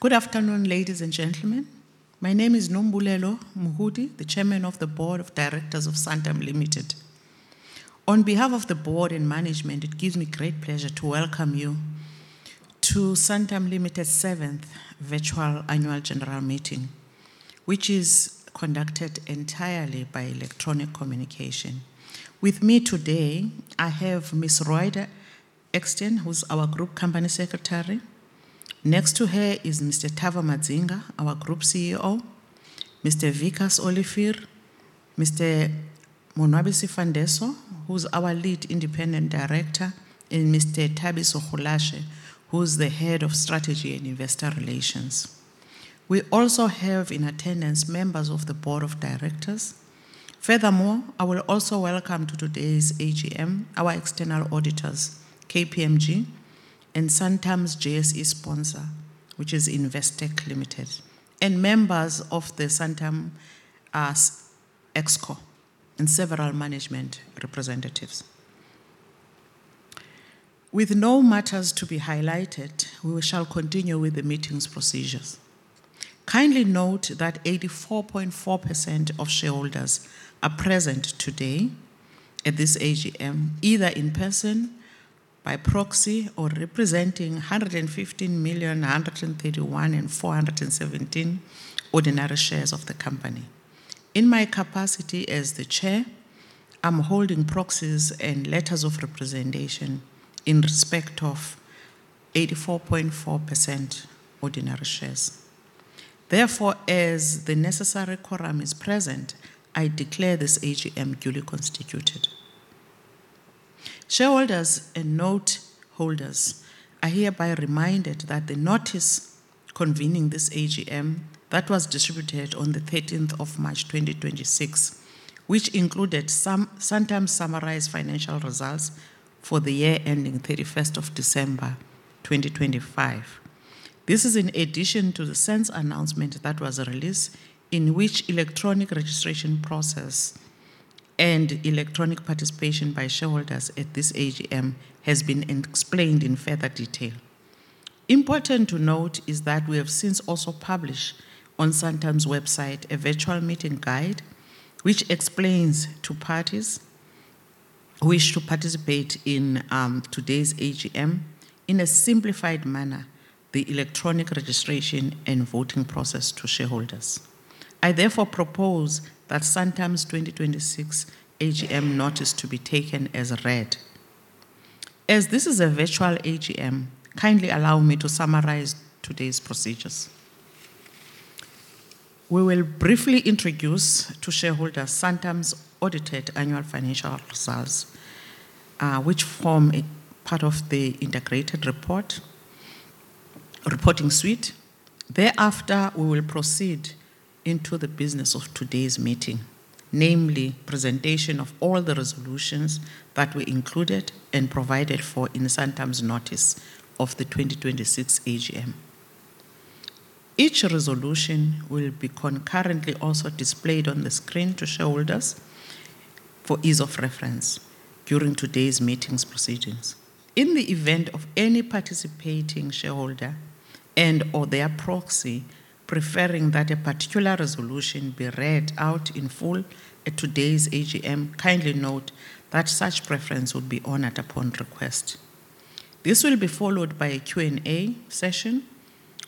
Good afternoon, ladies and gentlemen. My name is Nombulelo Moholi, the Chairman of the Board of Directors of Santam Limited. On behalf of the board and management, it gives me great pleasure to welcome you to Santam Limited's seventh virtual annual general meeting, which is conducted entirely by electronic communication. With me today, I have Ms. Ruwaida Eksteen, who's our Group Company Secretary. Next to her is Mr. Tavaziva Madzinga, our Group CEO. Mr. Wikus Olivier, Mr. Monwabisi Fandeso, who's our Lead Independent Director, and Mr. Thabiso Rulashe, who's the Head of Strategy and Investor Relations. We also have in attendance members of the board of directors. Furthermore, I will also welcome to today's AGM our external auditors, KPMG, and Santam's JSE sponsor, which is Investec Limited, and members of the Santam Exco, and several management representatives. With no matters to be highlighted, we shall continue with the meeting's procedures. Kindly note that 84.4% of shareholders are present today at this AGM, either in person, by proxy, or representing 115,131,417 ordinary shares of the company. In my capacity as the chair, I'm holding proxies and letters of representation in respect of 84.4% ordinary shares. Therefore, as the necessary quorum is present, I declare this AGM duly constituted. Shareholders and note holders are hereby reminded that the notice convening this AGM that was distributed on the 13th of March 2026, which included Santam's summarized financial results for the year ending 31st of December 2025. This is in addition to the SENS announcement that was released in which electronic registration process and electronic participation by shareholders at this AGM has been explained in further detail. Important to note is that we have since also published on Santam's website a virtual meeting guide, which explains to parties who wish to participate in today's AGM in a simplified manner the electronic registration and voting process to shareholders. I therefore propose that Santam's 2026 AGM notice to be taken as read. As this is a virtual AGM, kindly allow me to summarize today's procedures. We will briefly introduce to shareholders Santam's audited annual financial results, which form a part of the integrated reporting suite. Thereafter, we will proceed into the business of today's meeting, namely presentation of all the resolutions that were included and provided for in Santam's notice of the 2026 AGM. Each resolution will be concurrently also displayed on the screen to shareholders for ease of reference during today's meeting's proceedings. In the event of any participating shareholder and/or their proxy preferring that a particular resolution be read out in full at today's AGM, kindly note that such preference would be honored upon request. This will be followed by a Q&A session,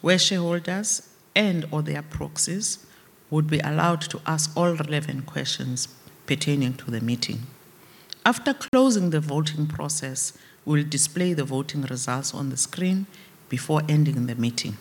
where shareholders and/or their proxies would be allowed to ask all relevant questions pertaining to the meeting. After closing the voting process, we'll display the voting results on the screen before ending the meeting.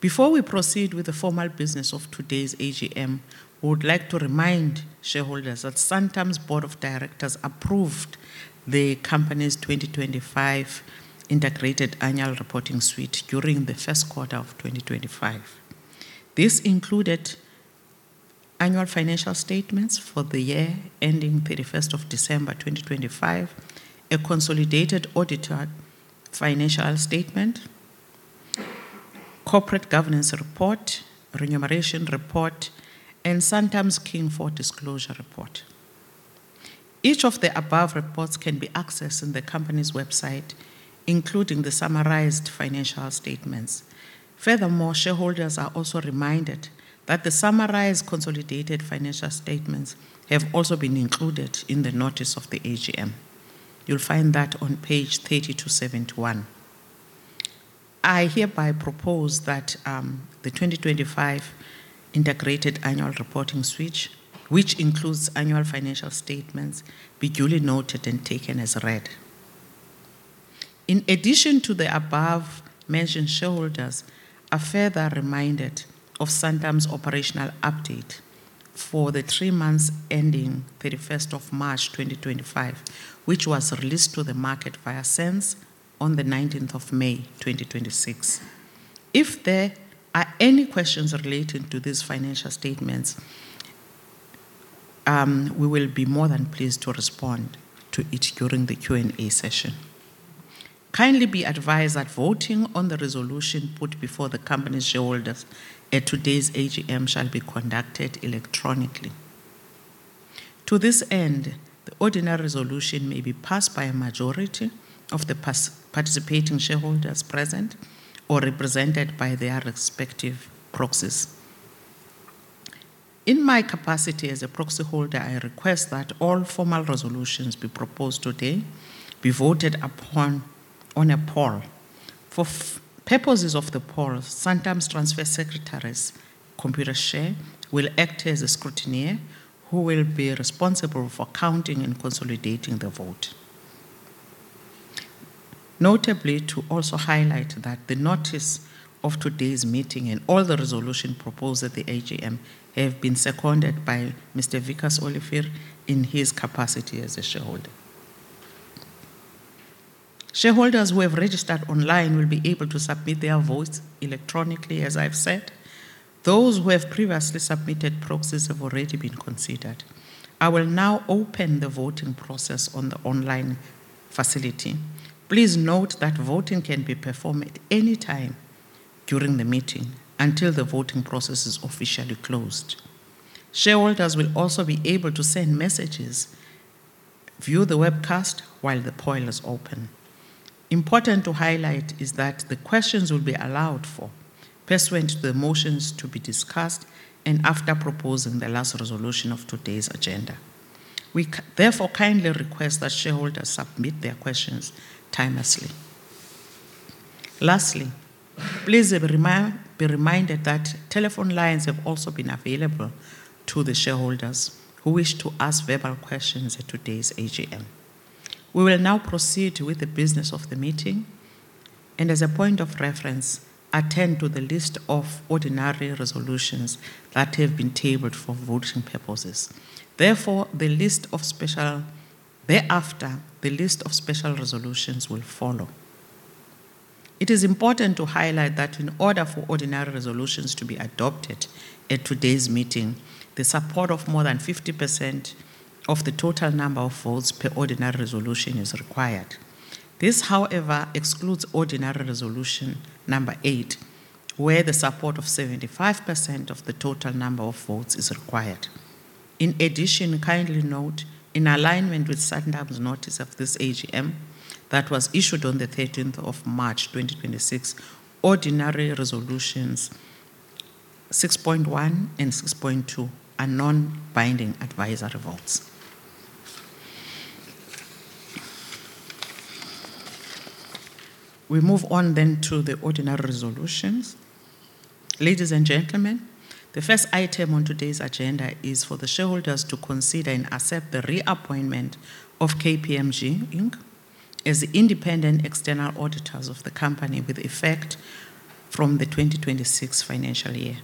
Before we proceed with the formal business of today's AGM, we would like to remind shareholders that Santam's board of directors approved the company's 2025 integrated annual reporting suite during the first quarter of 2025. This included annual financial statements for the year ending 31st of December 2025, a consolidated auditor financial statement, corporate governance report, remuneration report, and Santam's King IV disclosure report. Each of the above reports can be accessed in the company's website, including the summarized financial statements. Shareholders are also reminded that the summarized consolidated financial statements have also been included in the notice of the AGM. You'll find that on page 30 to 71. I hereby propose that the 2025 integrated annual reporting suite, which includes annual financial statements, be duly noted and taken as read. In addition to the above mentioned, shareholders are further reminded of Santam's operational update for the three months ending 31st of March 2025, which was released to the market via SENS on the 19th of May 2026. If there are any questions relating to these financial statements, we will be more than pleased to respond to it during the Q&A session. Kindly be advised that voting on the resolution put before the company's shareholders at today's AGM shall be conducted electronically. To this end, the ordinary resolution may be passed by a majority of the participating shareholders present or represented by their respective proxies. In my capacity as a proxy holder, I request that all formal resolutions be proposed today be voted upon on a poll. For purposes of the poll, Santam's transfer secretary, Computershare, will act as a scrutineer who will be responsible for counting and consolidating the vote. Notably, to also highlight that the notice of today's meeting and all the resolution proposed at the AGM have been seconded by Mr. Wikus Olivier in his capacity as a shareholder. Shareholders who have registered online will be able to submit their votes electronically, as I've said. Those who have previously submitted proxies have already been considered. I will now open the voting process on the online facility. Please note that voting can be performed at any time during the meeting until the voting process is officially closed. Shareholders will also be able to send messages, view the webcast while the poll is open. Important to highlight is that the questions will be allowed for pursuant to the motions to be discussed and after proposing the last resolution of today's agenda. We therefore kindly request that shareholders submit their questions timeously. Lastly, please be reminded that telephone lines have also been available to the shareholders who wish to ask verbal questions at today's AGM. We will now proceed with the business of the meeting and as a point of reference, attend to the list of ordinary resolutions that have been tabled for voting purposes. Thereafter, the list of special resolutions will follow. It is important to highlight that in order for ordinary resolutions to be adopted at today's meeting, the support of more than 50% of the total number of votes per ordinary resolution is required. This, however, excludes ordinary resolution number eight, where the support of 75% of the total number of votes is required. In addition, kindly note, in alignment with Santam's notice of this AGM that was issued on the 13th of March 2026, ordinary resolutions 6.1 and 6.2 are non-binding advisory votes. We move on to the ordinary resolutions. Ladies and gentlemen, the first item on today's agenda is for the shareholders to consider and accept the reappointment of KPMG Inc. As independent external auditors of the company with effect from the 2026 financial year.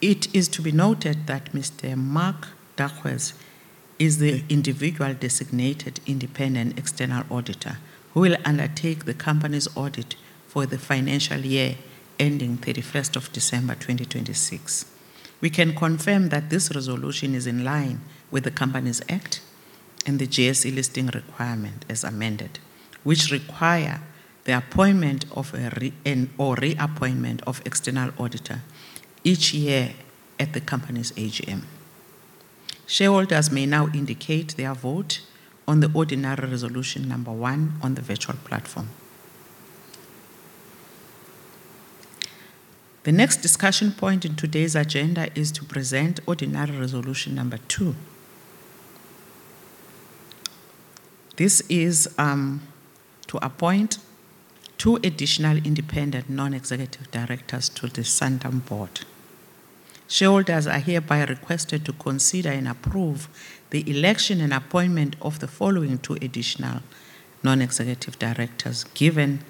It is to be noted that Mr. Mark Danckwerts is the individual Designated Independent External Auditor who will undertake the company's audit for the financial year ending 31st of December 2026. We can confirm that this resolution is in line with the Companies Act and the JSE Listing Requirements as amended, which require the appointment or reappointment of external auditor each year at the company's AGM. Shareholders may now indicate their vote on the ordinary resolution number one on the virtual platform. The next discussion point in today's agenda is to present ordinary resolution number two. This is to appoint two additional independent non-executive directors to the Santam board. Shareholders are hereby requested to consider and approve the election and appointment of the following two additional non-executive directors, given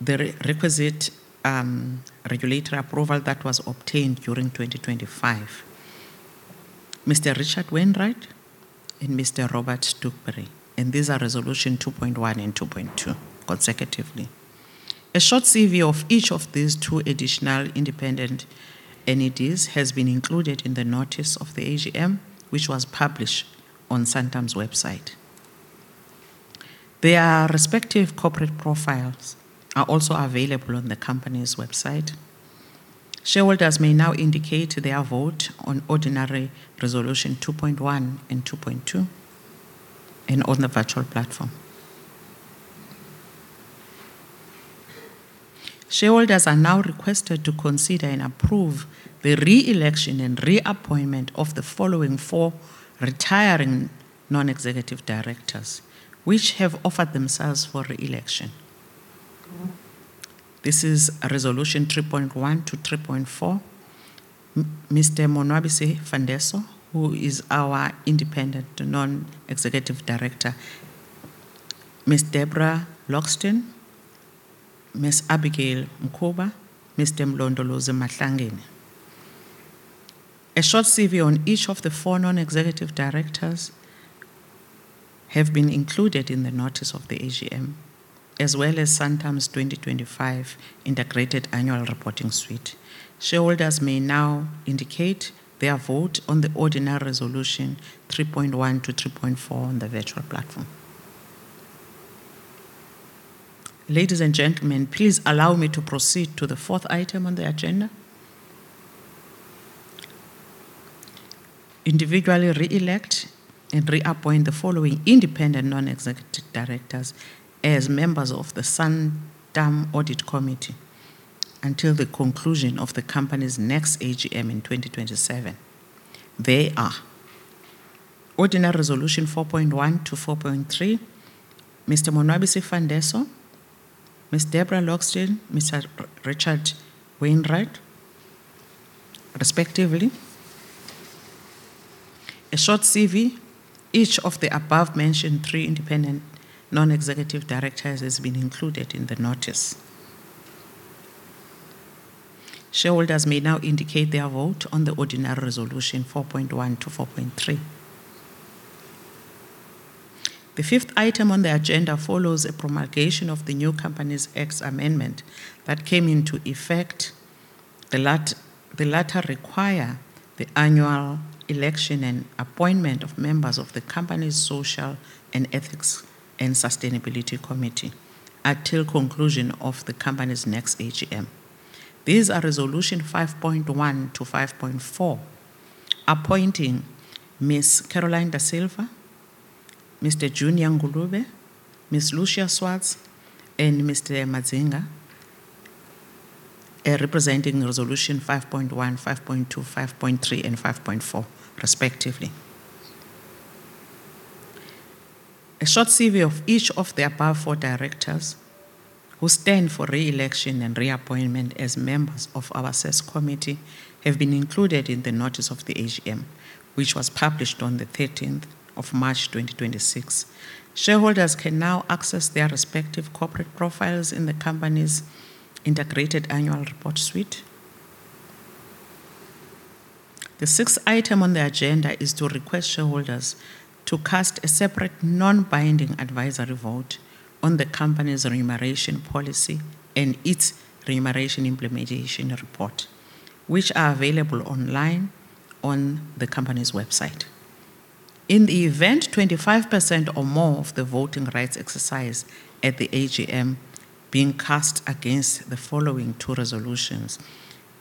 the requisite regulatory approval that was obtained during 2025. Mr. Richard Wainwright and Mr. Robert Stuchbery, these are resolution 2.1 and 2.2 consecutively. A short CV of each of these two additional independent NEDs has been included in the notice of the AGM, which was published on Santam's website. Their respective corporate profiles are also available on the company's website. Shareholders may now indicate their vote on ordinary resolution 2.1 and 2.2 and on the virtual platform. Shareholders are now requested to consider and approve the re-election and reappointment of the following four retiring non-executive directors, which have offered themselves for re-election. This is resolution 3.1 to 3.4. Mr. Monwabisi Fandeso, who is our independent non-executive director, Ms Deborah Loxton, Ms Abigail Mukhuba, Mr. Mlondolozi Mahlangeni. A short CV on each of the four non-executive directors have been included in the notice of the AGM, as well as Santam's 2025 integrated annual reporting suite. Shareholders may now indicate their vote on the ordinary resolution 3.1 to 3.4 on the virtual platform. Ladies and gentlemen, please allow me to proceed to the fourth item on the agenda. Individually re-elect and reappoint the following independent non-executive directors as members of the Santam Audit Committee until the conclusion of the company's next AGM in 2027. They are ordinary resolution 4.1 to 4.3, Mr. Monwabisi Fandeso, Ms. Deborah Loxton, Mr. Richard Wainwright, respectively. A short CV, each of the above mentioned three independent non-executive directors has been included in the notice. Shareholders may now indicate their vote on the ordinary resolution 4.1 to 4.3. The fifth item on the agenda follows a promulgation of the new Companies Act Amendment that came into effect. The latter require the annual election and appointment of members of the company's Social and Ethics and Sustainability Committee until conclusion of the company's next AGM. These are resolution 5.1 to 5.4, appointing Ms Caroline Da Silva, Mr. Junior Ngulube, Ms Lucia Swartz, and Mr. Madzinga, representing resolution 5.1, 5.2, 5.3, and 5.4 respectively. A short CV of each of the above four directors who stand for re-election and reappointment as members of our SESC committee have been included in the notice of the AGM, which was published on the 13th of March 2026. Shareholders can now access their respective corporate profiles in the company's integrated annual report suite. The sixth item on the agenda is to request shareholders to cast a separate non-binding advisory vote on the company's remuneration policy and its remuneration implementation report, which are available online on the company's website. In the event 25% or more of the voting rights exercise at the AGM being cast against the following two resolutions,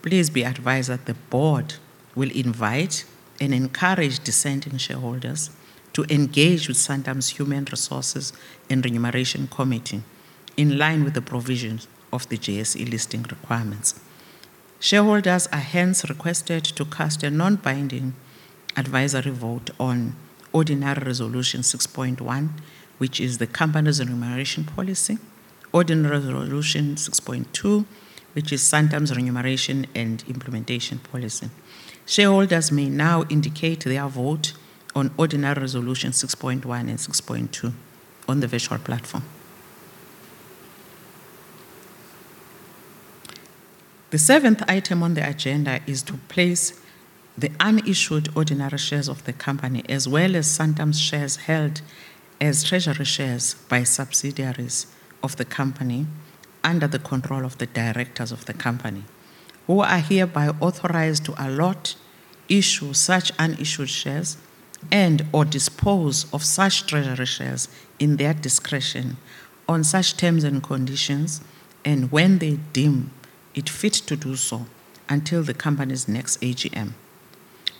please be advised that the board will invite and encourage dissenting shareholders to engage with Santam's Human Resources and Remuneration Committee in line with the provisions of the JSE Listing Requirements. Shareholders are hence requested to cast a non-binding advisory vote on ordinary resolution 6.1, which is the company's remuneration policy, ordinary resolution 6.2, which is Santam's remuneration and implementation policy. Shareholders may now indicate their vote on ordinary resolution 6.1 and 6.2 on the virtual platform. The seventh item on the agenda is to place the unissued ordinary shares of the company, as well as Santam's shares held as treasury shares by subsidiaries of the company under the control of the directors of the company, who are hereby authorized to allot, issue such unissued shares, and or dispose of such treasury shares in their discretion on such terms and conditions and when they deem it fit to do so, until the company's next AGM,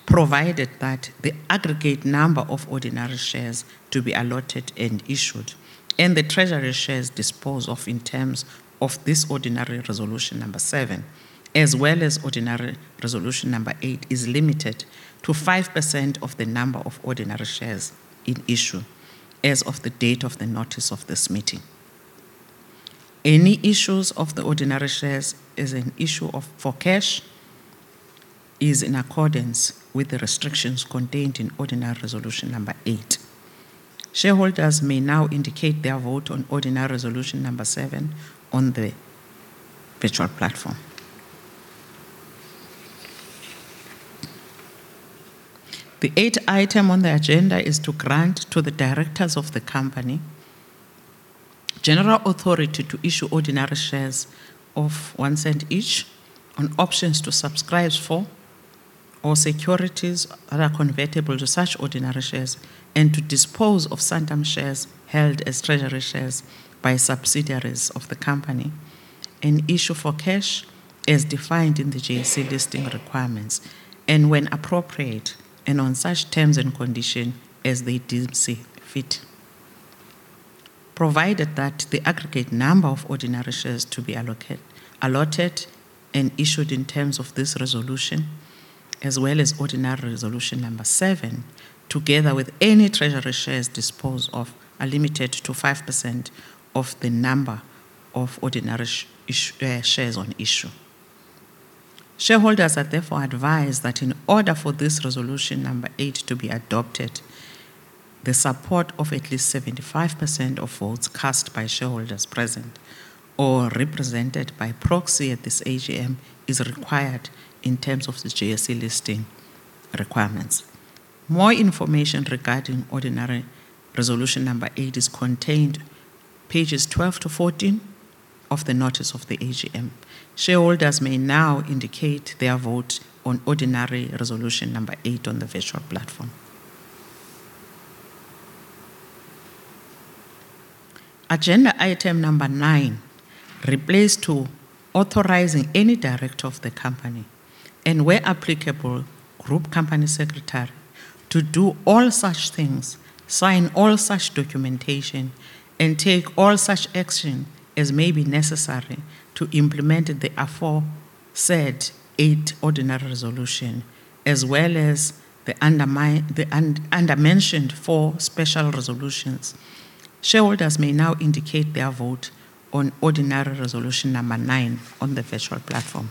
provided that the aggregate number of ordinary shares to be allotted and issued and the treasury shares disposed of in terms of this ordinary resolution number seven, as well as ordinary resolution number eight, is limited to 5% of the number of ordinary shares in issue as of the date of the notice of this meeting. Any issues of the ordinary shares as an issue for cash is in accordance with the restrictions contained in ordinary resolution number eight. Shareholders may now indicate their vote on ordinary resolution number seven on the virtual platform. The eighth item on the agenda is to grant to the directors of the company general authority to issue ordinary shares of 0.01 each on options to subscribe for or securities that are convertible to such ordinary shares and to dispose of Santam shares held as treasury shares by subsidiaries of the company and issue for cash as defined in the JSE Listing Requirements and when appropriate and on such terms and condition as they deem see fit, provided that the aggregate number of ordinary shares to be allotted and issued in terms of this resolution, as well as ordinary resolution number seven, together with any treasury shares disposed of are limited to 5% of the number of ordinary shares on issue. Shareholders are therefore advised that in order for this resolution number eight to be adopted, the support of at least 75% of votes cast by shareholders present or represented by proxy at this AGM is required in terms of the JSE Listing Requirements. More information regarding ordinary resolution number eight is contained pages 12 to 14 of the notice of the AGM. Shareholders may now indicate their vote on ordinary resolution number eight on the virtual platform. Agenda item number nine, replaced to authorizing any director of the company, and where applicable, Group Company Secretary, to do all such things, sign all such documentation, and take all such action as may be necessary to implement the aforesaid eight ordinary resolution, as well as the undermentioned four special resolutions. Shareholders may now indicate their vote on ordinary resolution number nine on the virtual platform.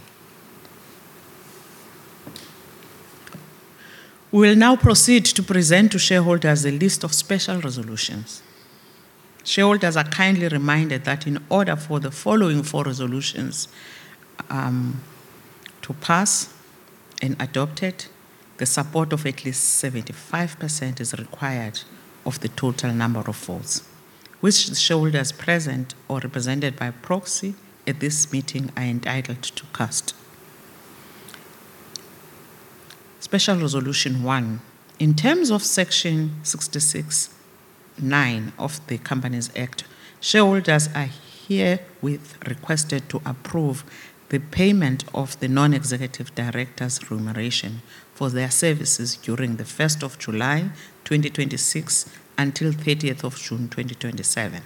We will now proceed to present to shareholders a list of special resolutions. Shareholders are kindly reminded that in order for the following four resolutions to pass and adopted, the support of at least 75% is required of the total number of votes, which shareholders present or represented by proxy at this meeting are entitled to cast. Special Resolution 1, in terms of Section 66(9) of the Companies Act, shareholders are herewith requested to approve the payment of the non-executive directors' remuneration for their services during the 1st of July 2026 until 30th of June 2027.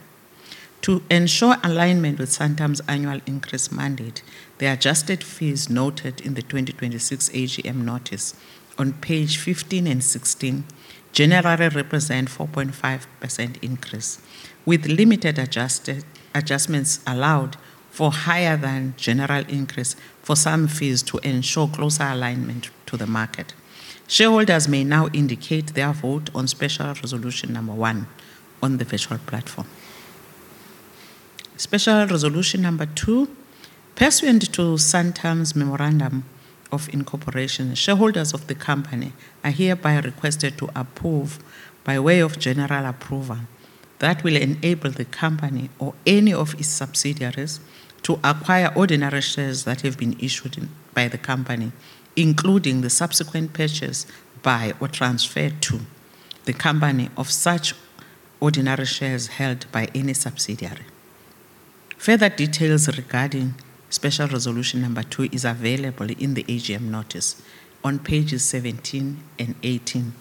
To ensure alignment with Santam's annual increase mandate, the adjusted fees noted in the 2026 AGM notice on page 15 and 16 generally represent 4.5% increase, with limited adjustments allowed for higher than general increase for some fees to ensure closer alignment to the market. Shareholders may now indicate their vote on special resolution number one on the virtual platform. Special Resolution Number 2, pursuant to Santam's Memorandum of Incorporation, shareholders of the company are hereby requested to approve by way of general approval that will enable the company or any of its subsidiaries to acquire ordinary shares that have been issued by the company, including the subsequent purchase by or transfer to the company of such ordinary shares held by any subsidiary. Further details regarding Special Resolution Number 2 is available in the AGM notice on pages 17 and 18.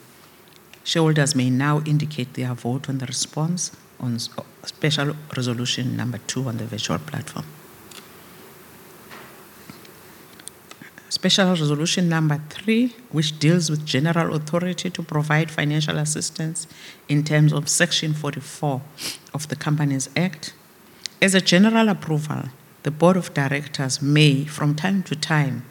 Shareholders may now indicate their vote on the response on Special Resolution Number 2 on the virtual platform. Special Resolution Number 3, which deals with general authority to provide financial assistance in terms of Section 44 of the Companies Act. As a general approval, the board of directors may, from time to time,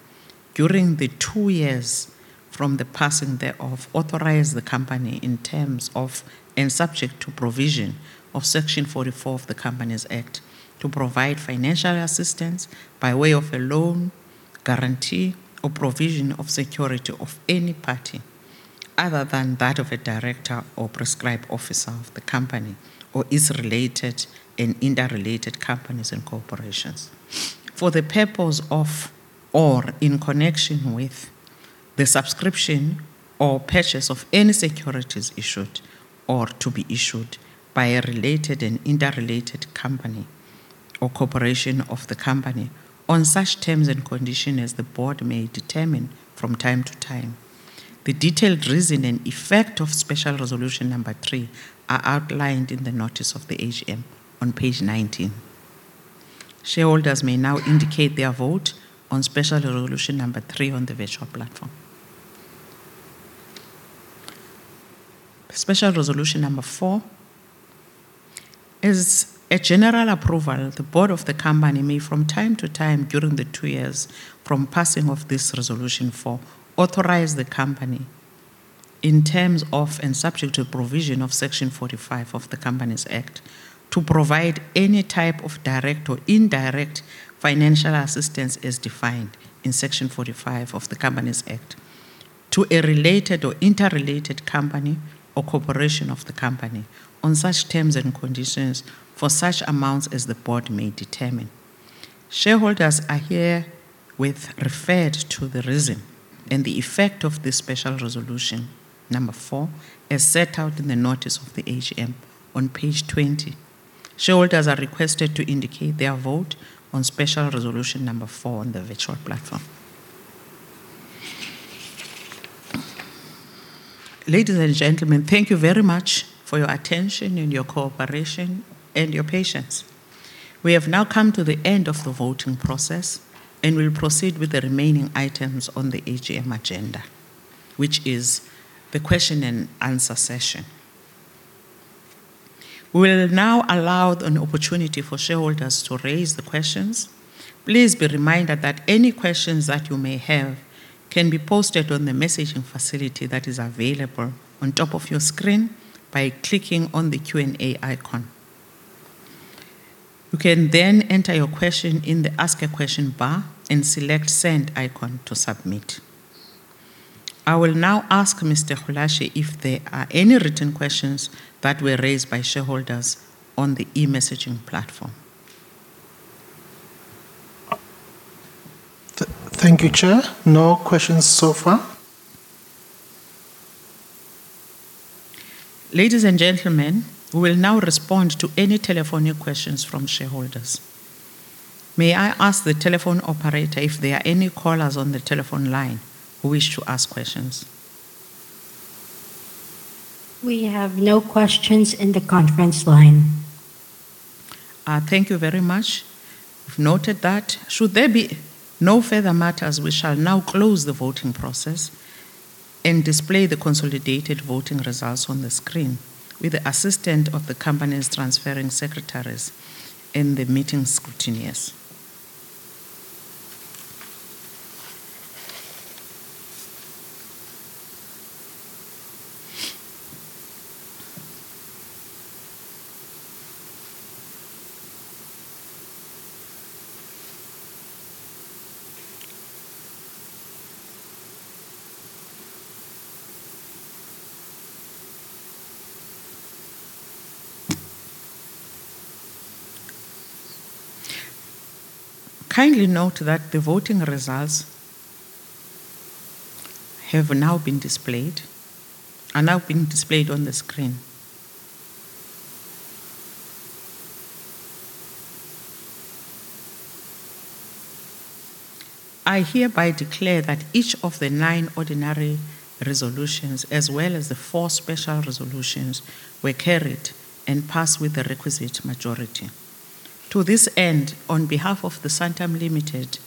during the two years from the passing thereof, authorize the company in terms of, and subject to provision of Section 44 of the Companies Act to provide financial assistance by way of a loan, guarantee, or provision of security of any party other than that of a director or prescribed officer of the company, or its related and interrelated companies and corporations. For the purpose of, or in connection with, the subscription or purchase of any securities issued or to be issued by a related and interrelated company or corporation of the company on such terms and conditions as the board may determine from time to time. The detailed reason and effect of Special Resolution Number 3 are outlined in the notice of the AGM on page 19. Shareholders may now indicate their vote on Special Resolution Number 3 on the virtual platform. Special Resolution Number 4. As a general approval, the board of the company may from time to time during the two years from passing of this Resolution 4, authorize the company in terms of and subject to provision of Section 45 of the Companies Act to provide any type of direct or indirect financial assistance as defined in Section 45 of the Companies Act to a related or interrelated company or corporation of the company on such terms and conditions for such amounts as the board may determine. Shareholders are herewith referred to the reason and the effect of this Special Resolution Number 4 as set out in the notice of the AGM on page 20. Shareholders are requested to indicate their vote on Special Resolution Number 4 on the virtual platform. Ladies and gentlemen, thank you very much for your attention and your cooperation and your patience. We have now come to the end of the voting process, and will proceed with the remaining items on the AGM agenda, which is the question and answer session. We will now allow an opportunity for shareholders to raise the questions. Please be reminded that any questions that you may have can be posted on the messaging facility that is available on top of your screen by clicking on the Q&A icon. You can enter your question in the Ask a Question bar and select Send icon to submit. I will now ask Mr. Rulashe if there are any written questions that were raised by shareholders on the e-messaging platform. Thank you, Chair. No questions so far. Ladies and gentlemen, we will now respond to any telephone questions from shareholders. May I ask the telephone operator if there are any callers on the telephone line who wish to ask questions? We have no questions in the conference line. Thank you very much. We've noted that. Should there be no further matters, we shall now close the voting process and display the consolidated voting results on the screen with the assistance of the company's transferring secretaries and the meeting scrutineers. Kindly note that the voting results have now been displayed on the screen. I hereby declare that each of the nine ordinary resolutions, as well as the four special resolutions, were carried and passed with the requisite majority. To this end, on behalf of the Santam Limited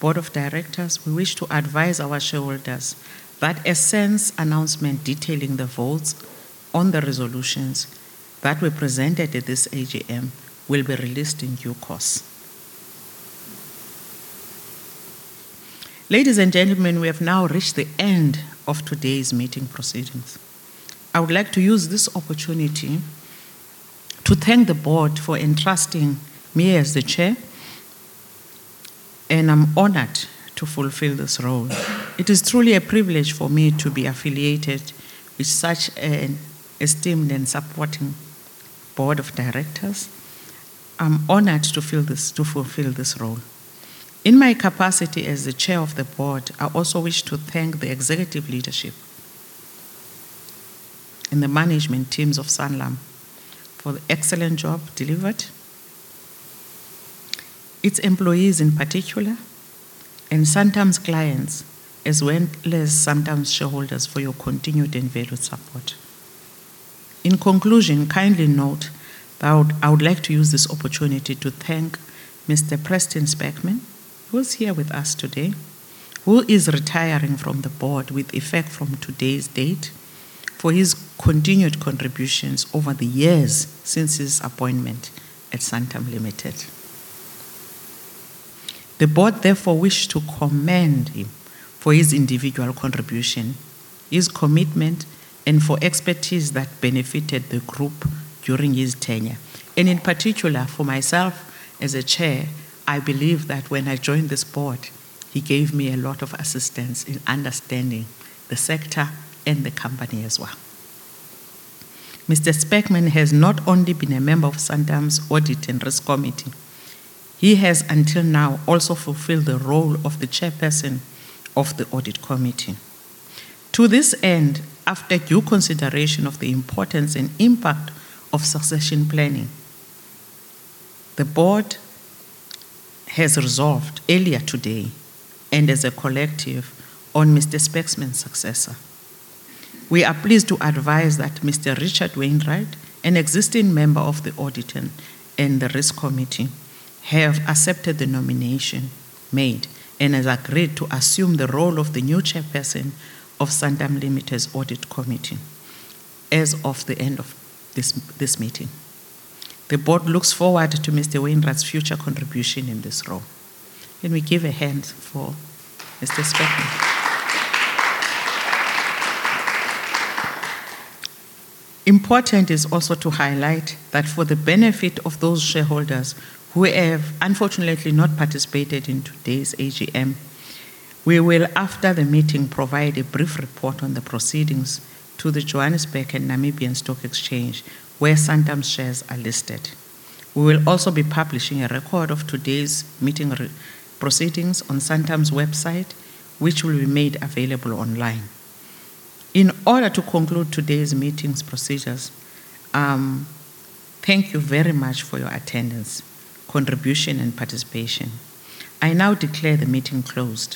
board of directors, we wish to advise our shareholders that a SENS announcement detailing the votes on the resolutions that were presented at this AGM will be released in due course. Ladies and gentlemen, we have now reached the end of today's meeting proceedings. I would like to use this opportunity to thank the board for entrusting me as the chair, and I'm honored to fulfill this role. It is truly a privilege for me to be affiliated with such an esteemed and supporting board of directors. I'm honored to fulfill this role. In my capacity as the chair of the board, I also wish to thank the executive leadership and the management teams of Santam for the excellent job delivered, its employees in particular, and Santam's clients, as well as Santam's shareholders for your continued and valued support. In conclusion, kindly note that I would like to use this opportunity to thank Mr. Preston Speckmann, who's here with us today, who is retiring from the board with effect from today's date, for his continued contributions over the years since his appointment at Santam Limited. The board therefore wish to commend him for his individual contribution, his commitment, and for expertise that benefited the group during his tenure. In particular, for myself as a Chair, I believe that when I joined this board, he gave me a lot of assistance in understanding the sector and the company as well. Mr. Speckmann has not only been a member of Santam's audit and risk committee, he has until now also fulfilled the role of the chairperson of the audit committee. To this end, after due consideration of the importance and impact of succession planning, the board has resolved earlier today, and as a collective, on Mr. Speckmann's successor. We are pleased to advise that Mr. Richard Wainwright, an existing member of the audit and the risk committee, have accepted the nomination made and has agreed to assume the role of the new chairperson of Santam Limited's audit committee as of the end of this meeting. The board looks forward to Mr. Wainwright's future contribution in this role. Can we give a hand for Mr. Speckmann? Important is also to highlight that for the benefit of those shareholders who have unfortunately not participated in today's AGM, we will, after the meeting, provide a brief report on the proceedings to the Johannesburg and Namibian Stock Exchange, where Santam's shares are listed. We will also be publishing a record of today's meeting proceedings on Santam's website, which will be made available online. In order to conclude today's meeting's procedures, thank you very much for your attendance, contribution, and participation. I now declare the meeting closed.